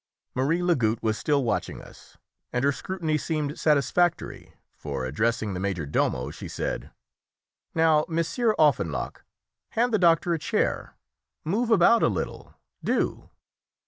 Marie Lagoutte was still watching us, and her scrutiny seemed satisfactory, for, addressing the major domo, she said "Now, Monsieur Offenloch, hand the doctor a chair; move about a little, do!